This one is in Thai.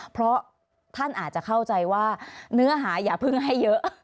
เพราะท่านอาจจะเข้าใจว่าเนื้อหาอย่าเพิ่งให้เยอะ